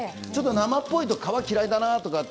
生っぽいと、皮が嫌いだなって。